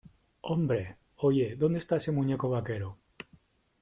¡ Hombre! ¿ oye, dónde esta ese muñeco vaquero?